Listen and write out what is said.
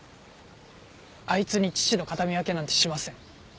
あいつに父の形見分けなんてしません。